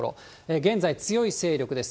現在、強い勢力です。